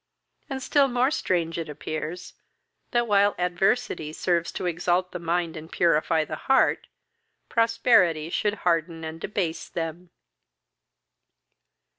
and, still more strange it appears, that, while adversity serves to exalt the mind and purify the heart, prosperity should harden and debase them.